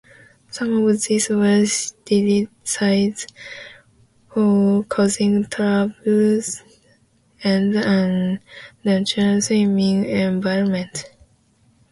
Some of these were criticized for causing turbulence and an un-natural swimming environment.